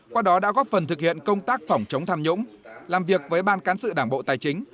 qua đó đã góp phần thực hiện công tác phòng chống tham nhũng làm việc với ban cán sự đảng bộ tài chính